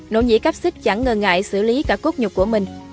nội nhị cáp xích chẳng ngờ ngại xử lý cả cốt nhục của mình